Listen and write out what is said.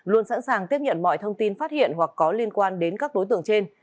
luôn sẵn sàng tiếp nhận mọi thông tin phát hiện hoặc có liên quan đến các đối tượng trên